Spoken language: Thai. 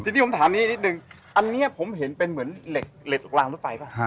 จริงผมถามนี้นิดนึงอันนี้ผมเห็นเป็นเหมือนเหล็กเหล็กกลางทั่วไปป่ะ